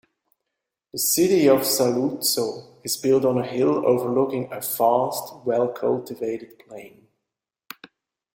The city of Saluzzo is built on a hill overlooking a vast, well-cultivated plain.